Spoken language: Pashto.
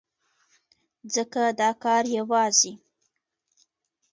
ځکه دا کار يوازې